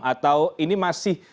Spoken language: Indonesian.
atau ini masih